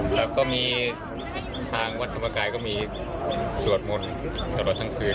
แล้วก็มีทางวันธรรมกายก็มีสวดหมดตลอดทั้งคืน